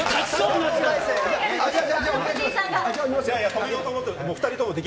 止めようと思ってるので。